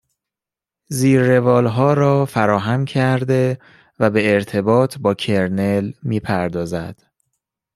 زیرروالها را فراهم کرده و به ارتباط با کرنل میپردازد